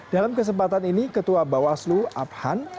dalam kesempatan ini ketua bawaslu abhan